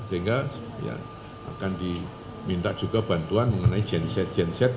sehingga akan diminta juga bantuan mengenai genset genset